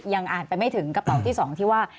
ยังอ่านไปไม่ถึงกระเป๋าที่๒ที่ว่า